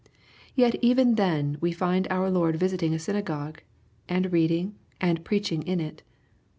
Yet even then we find our Lord visiting a synagogue, and reading and preach ing in it.